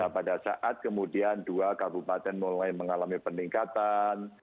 pada saat kemudian dua kabupaten mulai mengalami peningkatan